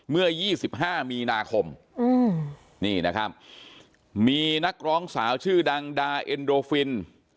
เมื่อ๒๕มีนาคมนี่นะครับมีนักร้องสาวชื่อดังดาเอ็นโดฟิน